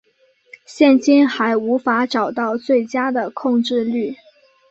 现今还无法找到最佳的控制律。